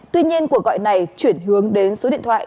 tuy nhiên cuộc gọi này chuyển hướng đến số điện thoại